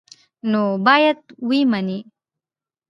نو باید ویې مني.